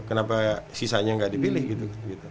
kenapa sisanya nggak dipilih gitu